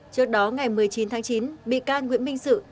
trước đó ngày một mươi chín tháng chín bị can nguyễn minh sự